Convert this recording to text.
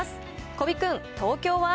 小尾君、東京は？